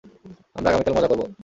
আমরা আগামীকাল মজা করব।